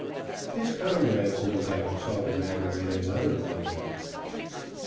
His comrades, no doubt, saw the matter in another light.